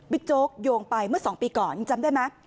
บิ๊กโจ๊กโยงไปเมื่อสองปีก่อนจำได้มั้ย